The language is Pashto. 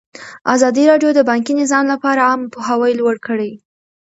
ازادي راډیو د بانکي نظام لپاره عامه پوهاوي لوړ کړی.